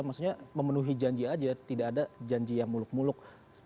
maksudnya memenuhi janji aja tidak ada janji yang muluk muluk